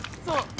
そう。